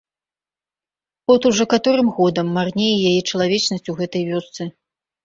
От ужо каторым годам марнее яе чалавечнасць у гэтай вёсцы.